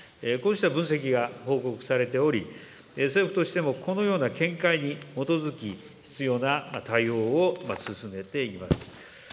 こうした分析が報告されており、政府としても、このような見解に基づき、必要な対応を進めています。